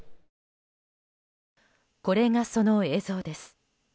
これが、その映像です。